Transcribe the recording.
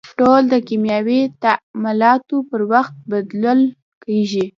بوتل د کیمیاوي تعاملاتو پر وخت بدلول کېږي.